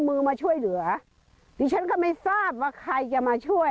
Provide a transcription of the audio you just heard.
มือมาช่วยเหลือดิฉันก็ไม่ทราบว่าใครจะมาช่วย